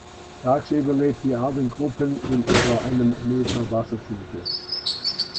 Tagsüber lebt die Art in Gruppen in etwa einem Meter Wassertiefe.